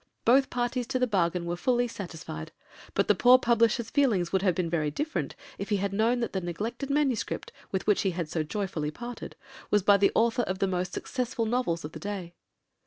Both parties to the bargain were fully satisfied; but the poor publisher's feelings would have been very different if he had known that the neglected manuscript, with which he had so joyfully parted, was by the author of the most successful novels of the day.